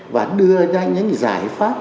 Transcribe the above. và đưa ra những giải pháp